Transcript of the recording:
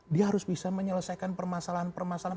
dia harus bisa menyelesaikan permasalahan permasalahan